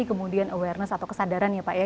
kemudian kesadaran ya pak ya